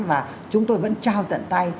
và chúng tôi vẫn trao tận tay